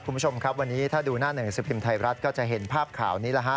คุณผู้ชมครับวันนี้ถ้าดูหน้าหนึ่งสิบพิมพ์ไทยรัฐก็จะเห็นภาพข่าวนี้แล้วฮะ